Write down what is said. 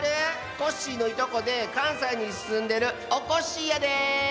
コッシーのいとこでかんさいにすんでるおこっしぃやで。